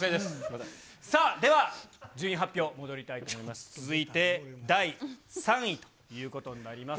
さあでは、順位発表、戻りたいと思います。